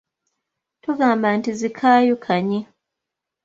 Tugamba nti zikaayukanye.